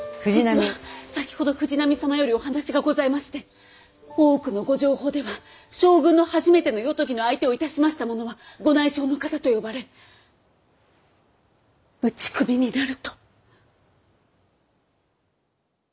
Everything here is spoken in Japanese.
実は先ほど藤波様よりお話がございまして大奥のご定法では将軍の初めての夜伽の相手をいたしました者はご内証の方と呼ばれ打ち首になると。